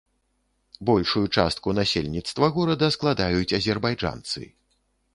Большую частку насельніцтва горада складаюць азербайджанцы.